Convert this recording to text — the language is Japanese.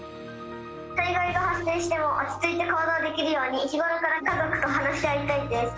災害が発生しても落ち着いて行動できるように日頃から家族と話し合いたいです。